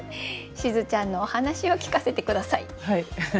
しずちゃんのお話を聞かせて下さい。